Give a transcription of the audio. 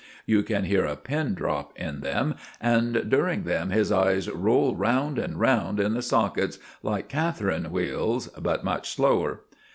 You can hear a pin drop in them; and during them his eyes roll round and round in the sockets, like Catherine wheels, but much slower.